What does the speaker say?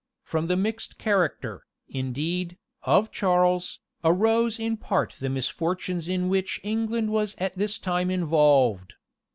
From the mixed character, indeed, of Charles, arose in part the misfortunes in which England was at this time involved.